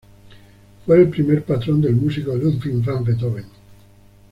Fue el primer patrón del músico Ludwig van Beethoven.